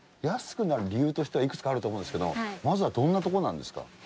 安くなる理由としてはいくつかあると思うんですけどもまずはどんなところなんですか？